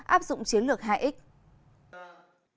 áp dụng chiến lược hai x